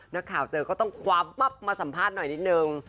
นักข่าวเจอก็ต้องคว้ามับมาสัมภาษณ์หน่อยนิดนึง